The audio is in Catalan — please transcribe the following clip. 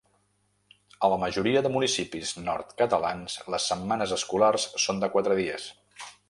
A la majoria de municipis nord-catalans, les setmanes escolars són de quatre dies.